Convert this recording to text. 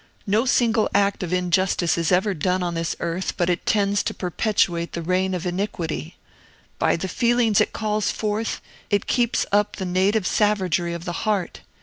No single act of injustice is ever done on this earth but it tends to perpetuate the reign of iniquity. By the feelings it calls forth it keeps up the native savagery of the heart.